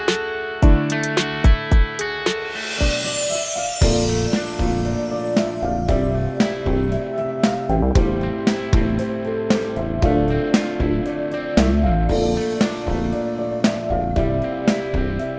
aku mau kasih kakak